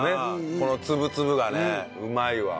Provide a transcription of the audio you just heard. この粒々がねうまいわ。